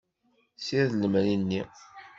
Sired lemri-nni.